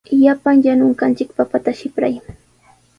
Llapan yanunqanchik papata sipray.